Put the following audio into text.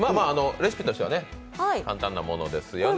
レシピとしては簡単なものですよね。